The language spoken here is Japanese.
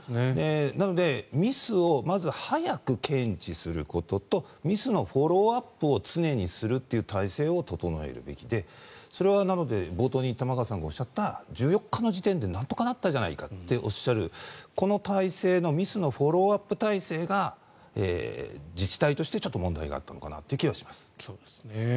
なので、ミスをまず早く検知することとミスのフォローアップを常にするという体制を整えるべきでそれは、冒頭に玉川さんがおっしゃった１４日の時点でなんとかなったじゃないかとおっしゃるこの体制のミスのフォローアップ体制が自治体としてちょっと問題があったのかなという気がします。